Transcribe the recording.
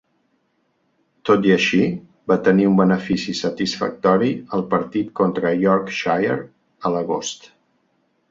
Tot i així, va tenir un benefici satisfactori al partit contra Yorkshire a l'agost.